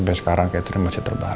belum membuka matanya